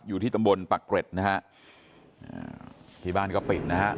อยู่ที่ตำบลปักเกร็ดนะครับที่บ้านก็เป็นนะครับ